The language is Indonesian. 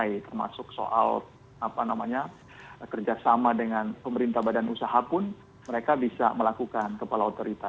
termasuk soal kerjasama dengan pemerintah badan usaha pun mereka bisa melakukan kepala otorita